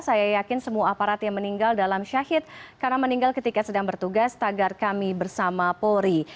saya yakin semua aparat yang meninggal dalam syahid karena meninggal ketika sedang bertugas tagar kami bersama polri